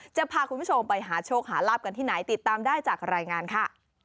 จะพาคุณผู้ชมไปหาโชคหาลาบกันที่ไหนติดตามได้จากรายงานค่ะ